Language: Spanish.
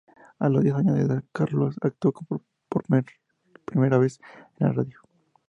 A los diez años de edad, Carlsson actuó por vez primera en la radio.